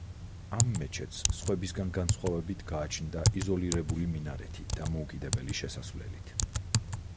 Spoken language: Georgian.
ამ მეჩეთს სხვებისგან განსხვავებით გააჩნდა იზოლირებული მინარეთი დამოუკიდებელი შესასვლელით.